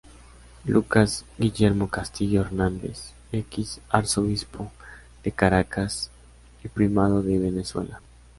Lucas Guillermo Castillo Hernández, X Arzobispo de Caracas y Primado de Venezuela.